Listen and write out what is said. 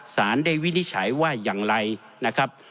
สารได้วินิจฉัยว่าอย่างไรนะครับ